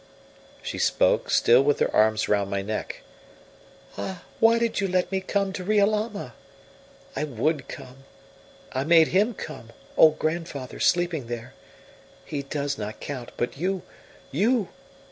she spoke, still with her arms round my neck. "Ah, why did you let me come to Riolama? I would come! I made him come old grandfather, sleeping there: he does not count, but you you!